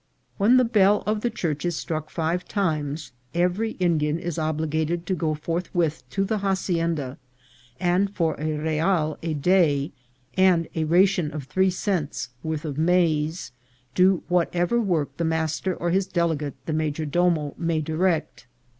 When the bell of the church is struck five times, every Indian is obli ged to go forthwith to the hacienda, and, for a real a day and a ration of three cents' worth of maize, do whatever work the master or his delegate, the major domo, may direct.